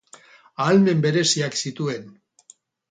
Ahalmen bereziak zituen.